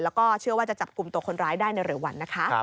แล้วก็เชื่อว่าจะจับกลุ่มตัวคนร้ายได้ในเร็ววันนะคะ